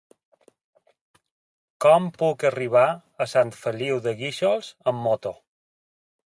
Com puc arribar a Sant Feliu de Guíxols amb moto?